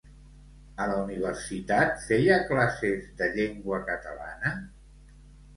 A la Universitat feia classes de llengua catalana?